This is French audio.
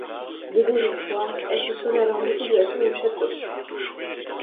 De désespoir, elle se serait alors jetée de la tour du château.